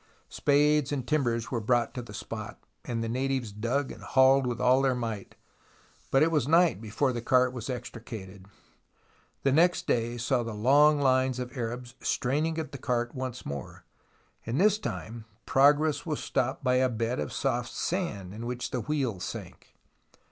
Spades and timbers were brought to the spot, and the natives dug and hauled with all their might, but it was night before the cart was extricated. The next day saw the long lines of Arabs straining at the cart once more, and this time progress was stopped by a bed of soft sand in which the wheels sank.